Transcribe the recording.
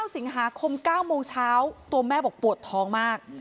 สิงหาคม๙โมงเช้าตัวแม่บอกปวดท้องมาก